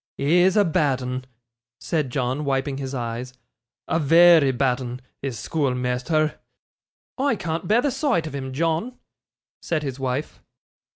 'He's a bad 'un,' said John, wiping his eyes; 'a very bad 'un, is schoolmeasther.' 'I can't bear the sight of him, John,' said his wife.